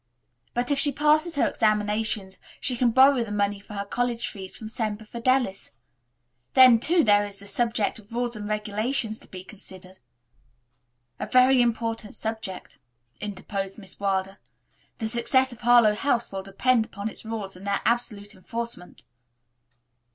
But if she passes her examinations she can borrow the money for her college fees from Semper Fidelis. Then, too, there is the subject of rules and regulations to be considered." "A very important subject," interposed Miss Wilder. "The success of Harlowe House will depend upon its rules and their absolute enforcement."